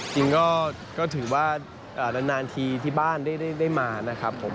จริงก็ถือว่านานทีที่บ้านได้มานะครับผม